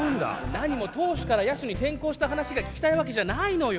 何も投手から野手に転向した話が聞きたいわけじゃないのよ。